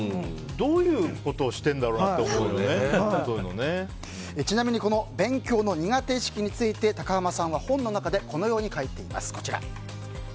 どういうことをちなみに勉強の苦手意識について高濱さんは本の中でこのように書いています。